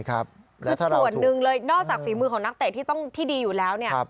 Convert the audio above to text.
คือส่วนหนึ่งเลยนอกจากฝีมือของนักเตะที่ดีอยู่แล้ว